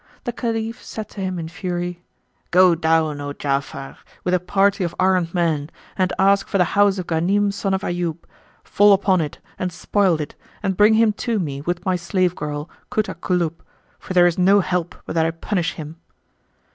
The Caliph said to him in fury, "Go down, O Ja'afar, with a party of armed men and ask for the house of Ghanim son of Ayyub: fall upon it and spoil it and bring him to me with my slave girl, Kut al Kulub, for there is no help but that I punish him!"